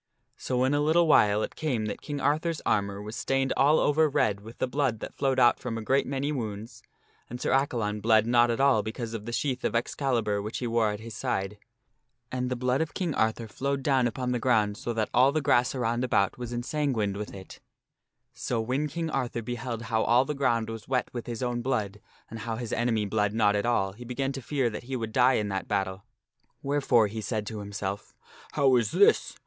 So in a little while it came that King Arthur's armor was stained all over red with the blood that flowed out from ~. A ., King Arthur is a great many wounds, and Sir Accalon bled not at all because sorely wounded of the sheath of Excalibur which he wore at his side. And by ' Excalib r the blood of King Arthur flowed down upon the ground so that all the grass around about was ensanguined with it. So when King Arthur beheld how all the ground was wet with his own blood, and how his enemy bled not at all, he began to fear that he would die in that battle ; wherefore he said to himself, "How is this?